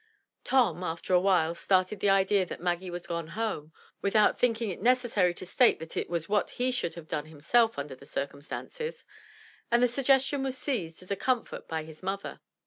Tom, after a while, started the idea that Maggie was gone home (without thinking it necessary to state that it was what he should have done himself under the circumstances), and the suggestion was seized as a comfort by his mother.